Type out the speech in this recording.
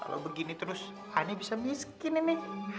kalau begini terus hani bisa miskin ini